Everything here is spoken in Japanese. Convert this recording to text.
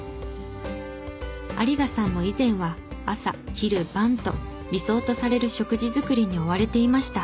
有賀さんも以前は朝昼晩と理想とされる食事作りに追われていました。